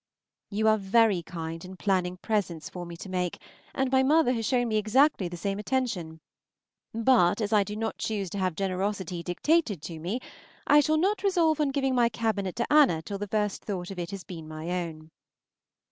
... You are very kind in planning presents for me to make, and my mother has shown me exactly the same attention; but as I do not choose to have generosity dictated to me, I shall not resolve on giving my cabinet to Anna till the first thought of it has been my own.